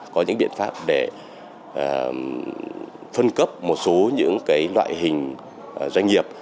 có những biện pháp để phân cấp một số những loại hình doanh nghiệp